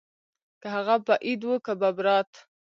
که هغه به عيد وو که ببرات.